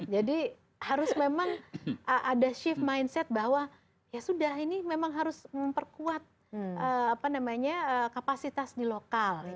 jadi harus memang ada shift mindset bahwa ya sudah ini memang harus memperkuat kapasitas di lokal